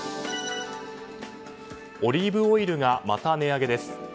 オリーブオイルがまた値上げです。